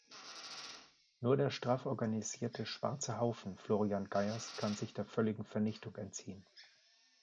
Nur der straff organisierte "Schwarze Haufen" Florian Geyers kann sich der völligen Vernichtung entziehen.